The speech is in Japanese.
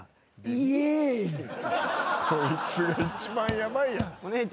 「イエーイ」こいつが一番ヤバいやん。